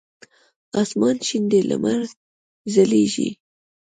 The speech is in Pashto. اسمان شین دی لمر ځلیږی